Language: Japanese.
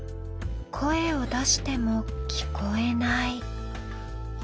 声を出しても聞こえない。